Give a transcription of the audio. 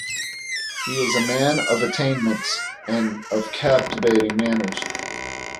He is a man of attainments and of captivating manners.